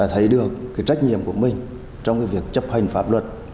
thấy được cái trách nhiệm của mình trong cái việc chấp hành phạm luật